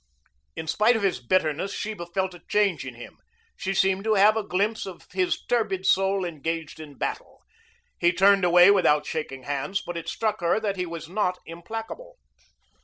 In spite of his bitterness Sheba felt a change in him. She seemed to have a glimpse of his turbid soul engaged in battle. He turned away without shaking hands, but it struck her that he was not implacable.